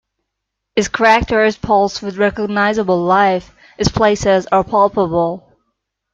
Its characters pulse with recognisable life; its places are palpable.